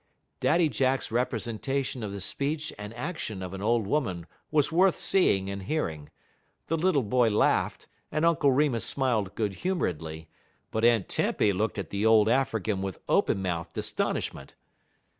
'" Daddy Jack's representation of the speech and action of an old woman was worth seeing and hearing. The little boy laughed, and Uncle Remus smiled good humoredly; but Aunt Tempy looked at the old African with open mouthed astonishment.